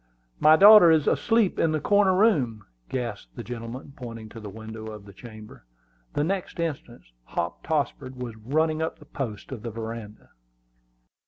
"My daughter is asleep in the corner room!" gasped the gentleman, pointing to the window of the chamber. The next instant Hop Tossford was running up the posts of the veranda.